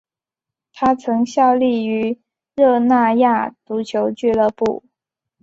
他曾效力于热那亚足球俱乐部。